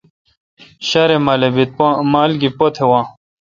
ݭارے مالبیت مال گی پت واں۔